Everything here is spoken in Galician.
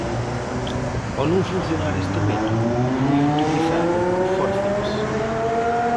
Ao non funcionar este método, foi utilizado o fórceps.